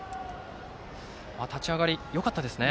立ち上がり、よかったですね。